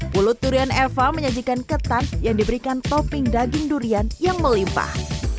pulut durian eva menyajikan ketan yang diberikan topping daging durian yang melimpah